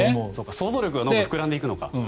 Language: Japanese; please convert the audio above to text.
想像力がどんどん膨らんでいくのか。